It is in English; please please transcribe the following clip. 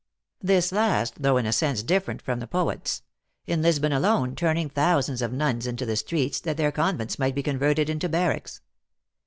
This last, though, in a sense different from the poets ; in Lisbon alone, turning thousands of nuns into the streets, that their convents might be converted into barracks.